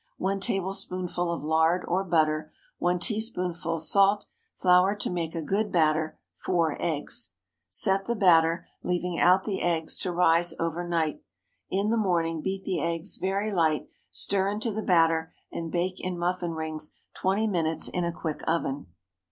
1 tablespoonful of lard or butter. 1 teaspoonful salt. Flour to make a good batter. 4 eggs. Set the batter—leaving out the eggs—to rise over night. In the morning beat the eggs very light, stir into the batter, and bake in muffin rings twenty minutes in a quick oven.